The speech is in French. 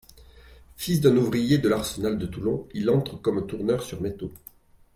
Fils d'un ouvrier de l'Arsenal de Toulon, il y entre comme tourneur sur métaux.